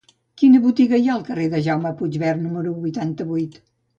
Quina botiga hi ha al carrer de Jaume Puigvert número vuitanta-vuit?